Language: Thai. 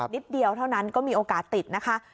นิดเดียวเท่านั้นก็มีโอกาสติดนะคะ